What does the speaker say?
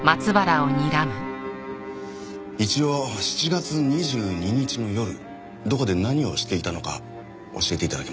一応７月２２日の夜どこで何をしていたのか教えて頂けますか？